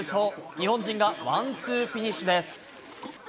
日本人がワンツーフィニッシュです。